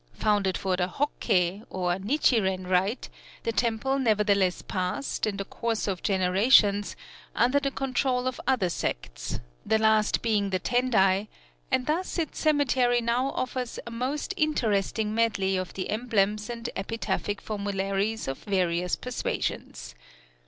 Founded for the Hokké, or Nichiren rite, the temple nevertheless passed, in the course of generations, under the control of other sects the last being the Tendai; and thus its cemetery now offers a most interesting medley of the emblems and the epitaphic formularies of various persuasions.